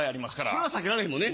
これは避けられへんもんね。